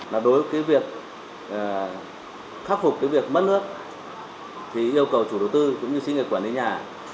đối với cái việc khắc phục cái việc mất nước thì yêu cầu chủ đầu tư cũng như sĩ nghệ quản lý nhà